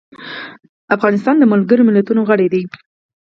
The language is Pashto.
افغانستان د ملګرو ملتونو غړی دی.